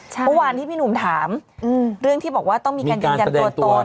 เมื่อวานที่พี่หนุ่มถามเรื่องที่บอกว่าต้องมีการยืนยันตัวตน